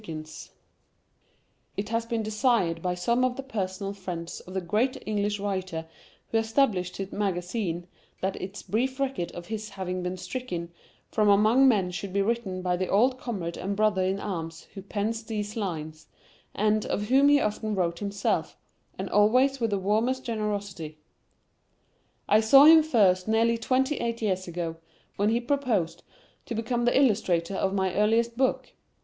M. THACKERAY IT has been desired by some of the personal friends of the great English writer who established this magazine, that its brief record of his having been stricken from among men should be written by the old comrade and brother in arms who pens these lines, and of whom he often wrote himself, and always with the warmest generosity. I saw him first nearly twenty eight years ago, when he proposed to become the illustrator of my earliest book.